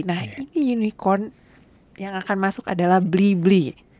nah ini unicorn yang akan masuk adalah bli bli